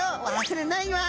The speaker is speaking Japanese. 忘れないわ」